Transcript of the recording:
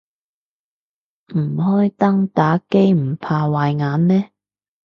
唔開燈打機唔怕壞眼咩